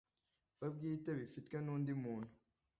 we bwite bifitwe n’undi muntu